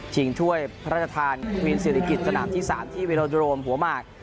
ถ้วยพระราชทานมินศิริกิจสนามที่๓ที่เวโลโดรมหัวหมาก